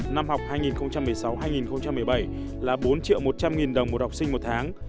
năm học hai nghìn một mươi sáu hai nghìn một mươi bảy là bốn triệu một trăm linh nghìn đồng một học sinh một tháng